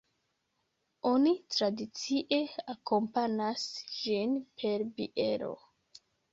Oni tradicie akompanas ĝin per biero.